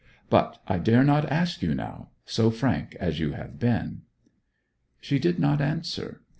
But I dare not ask you now so frank as you have been.' She did not answer.